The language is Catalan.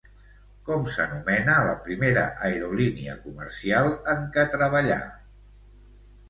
Com s'anomena la primera aerolínia comercial en què treballà?